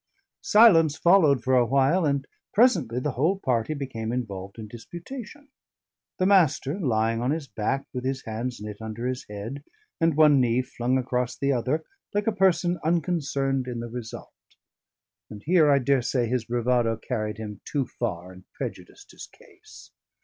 Silence followed for a while, and presently the whole party became involved in disputation: the Master lying on his back, with his hands knit under his head and one knee flung across the other, like a person unconcerned in the result. And here, I daresay, his bravado carried him too far and prejudiced his case.